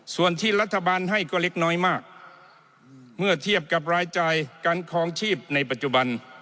ส่วนที่รัฐบาลให้ก็เล็กน้อยมากเมื่อเทียบกับรายจ่ายการคลองชีพในปัจจุบัน